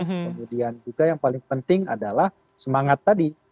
kemudian juga yang paling penting adalah semangat tadi